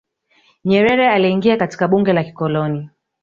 nyerere aliingia katika bunge la kikoloni